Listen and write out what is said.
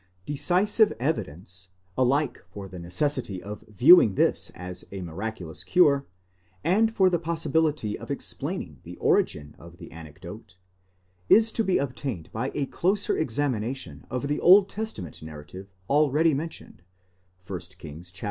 Decisive evidence, alike for the necessity of viewing this as a miraculous cure, and for the possibility of explaining the origin of the anecdote, is to be obtained by a closer examination of the Old Testament narrative already mentioned, 1 Kings xiii.